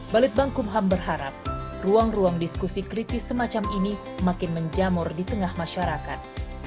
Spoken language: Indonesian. balitbang kumham berharap ruang ruang diskusi kritis semacam ini makin menjamur di tengah masyarakat